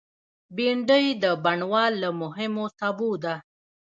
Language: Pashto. بېنډۍ د بڼوال له مهمو سابو ده